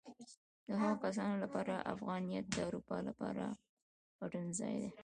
د هغو کسانو لپاره افغانیت د اروپا لپاره پټنځای دی.